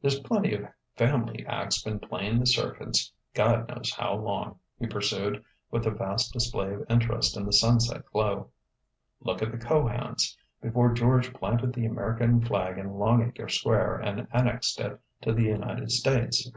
"There's plenty of family acts been playing the circuits Gawd knows how long," he pursued, with a vast display of interest in the sunset glow. "Look't the Cohans, before George planted the American flag in Longacre Square and annexed it to the United States.